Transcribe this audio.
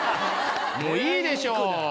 もういいでしょう！